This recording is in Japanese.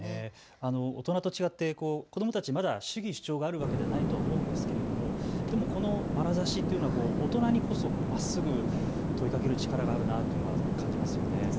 大人と違って子どもたち主義主張があるわけではないと思うんですけれどもこのまなざしっていうのは大人にこそまっすぐ、問いかける力があるなというのは感じます。